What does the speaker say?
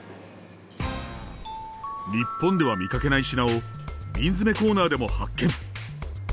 日本では見かけない品を瓶詰コーナーでも発見！